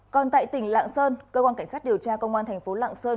còn tại tỉnh lạng sơn cơ quan cảnh sát điều tra công an thành phố lạng sơn